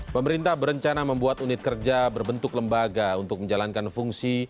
pemerintah berencana membuat unit kerja berbentuk lembaga untuk menjalankan fungsi